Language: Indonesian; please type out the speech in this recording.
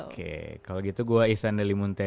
oke kalau gitu gue isan delimunte